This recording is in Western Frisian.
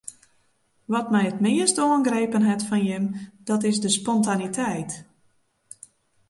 Wat my it meast oangrepen hat fan jimme dat is de spontaniteit.